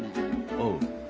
おう。